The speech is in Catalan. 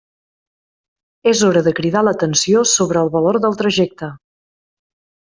És hora de cridar l'atenció sobre el valor del trajecte.